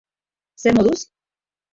Zer moduz?